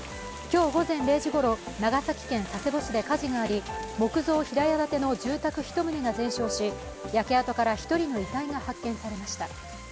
今日午前０時ごろ長崎県佐世保市で火事があり木造平屋建ての住宅１棟が全焼し焼け跡から１人の遺体が発見されました。